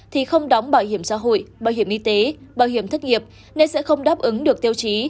thì không đóng bảo hiểm xã hội bảo hiểm y tế bảo hiểm thất nghiệp nên sẽ không đáp ứng được tiêu chí